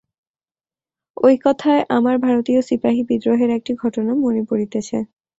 ঐ কথায় আমার ভারতীয় সিপাহীবিদ্রোহের একটি ঘটনা মনে পড়িতেছে।